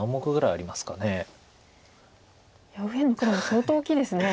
いや右辺の黒も相当大きいですね。